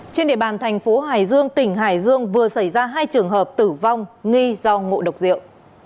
trên địa bàn thành phố hải dương tỉnh hải dương vừa xảy ra hai trường hợp tử vong nghi do ngộ độc rượu